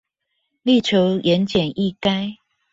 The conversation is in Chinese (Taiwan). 力求言簡意賅